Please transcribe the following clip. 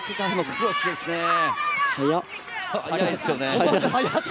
速いですよね。